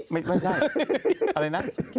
ไม่ใช่